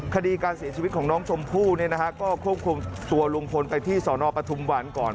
คดีการเสียชีวิตของน้องชมพู่เนี่ยนะฮะก็ควบคุมตัวลุงพลไปที่สนปทุมวันก่อน